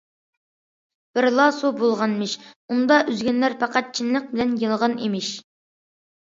بىرلا سۇ بولغانمىش، ئۇندا ئۈزگەنلەر پەقەت چىنلىق بىلەن يالغان ئىمىش.